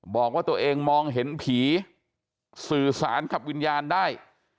บอกว่าตัวเองมองเห็นผีสื่อสารกับวิญญาณได้